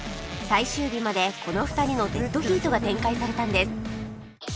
最終日までこの２人のデッドヒートが展開されたんです